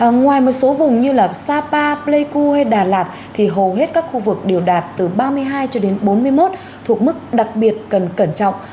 ngoài một số vùng như sapa pleiku hay đà lạt thì hầu hết các khu vực đều đạt từ ba mươi hai cho đến bốn mươi một thuộc mức đặc biệt cần cẩn trọng